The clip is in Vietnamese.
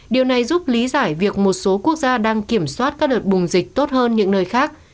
điều này giúp lý giải việc một số quốc gia đang kiểm soát các đợt bùng dịch tốt hơn những nơi khác